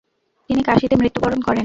তিনি কাশীতে মৃত্যুবরণ করেন।